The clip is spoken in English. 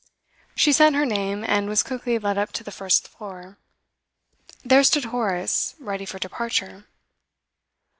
She sent her name, and was quickly led up to the first floor. There stood Horace, ready for departure.